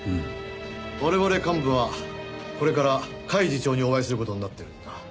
我々幹部はこれから甲斐次長にお会いする事になってるんだ。